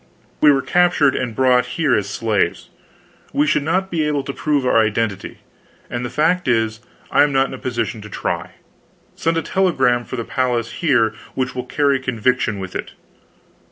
We were captured and brought here as slaves. We should not be able to prove our identity and the fact is, I am not in a position to try. Send a telegram for the palace here which will carry conviction with it."